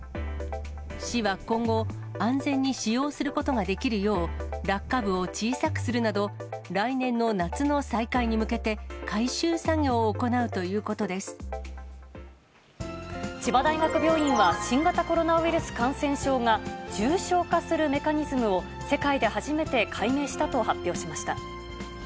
市は今後、安全に使用することができるよう、落下部を小さくするなど、来年の夏に再開に向けて、千葉大学病院は、新型コロナウイルス感染症が、重症化するメカニズムを世界で初めて解明したと発表しました。